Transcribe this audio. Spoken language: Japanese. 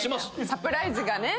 サプライズがね。